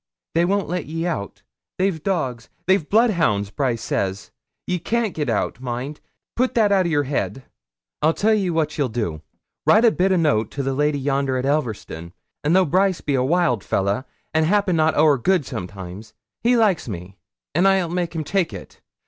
'They won't let ye oot. The gates is all locked. They've dogs they've bloodhounds, Brice says. Ye can't git oot, mind; put that oot o' your head. 'I tell ye what ye'll do. Write a bit o' a note to the lady yonder at Elverston; an' though Brice be a wild fellah, and 'appen not ower good sometimes, he likes me, an' I'll make him take it.